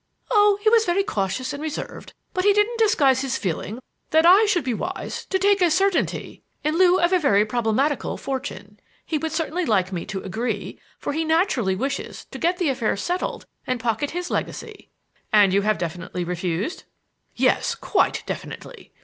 "Oh, he was very cautious and reserved, but he didn't disguise his feeling that I should be wise to take a certainty in lieu of a very problematical fortune. He would certainly like me to agree, for he naturally wishes to get the affair settled and pocket his legacy." "And have you definitely refused?" "Yes; quite definitely.